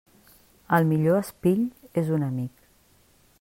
El millor espill és un amic.